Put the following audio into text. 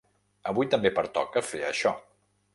Avui també pertoca fer això.